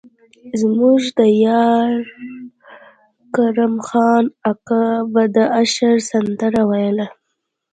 زموږ د ديار کرم خان اکا به د اشر سندره ويله.